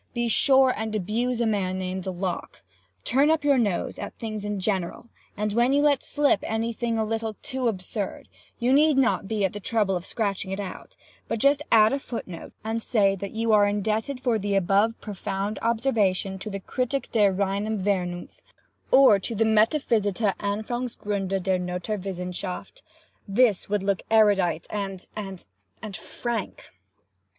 Be sure and abuse a man named Locke. Turn up your nose at things in general, and when you let slip any thing a little too absurd, you need not be at the trouble of scratching it out, but just add a footnote and say that you are indebted for the above profound observation to the 'Kritik der reinem Vernunft,' or to the 'Metaphysithe Anfongsgrunde der Noturwissenchaft.' This would look erudite and—and—and frank.